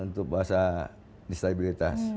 untuk bahasa distabilitas